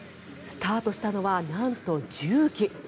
スタートしたのは、なんと重機。